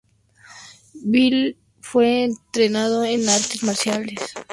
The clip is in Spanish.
Bill fue entrenado en artes marciales por Pai Mei.